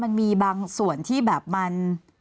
มันมีบางส่วนที่แบบมัน